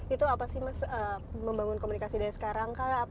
itu apa sih mas membangun komunikasi dari sekarang kah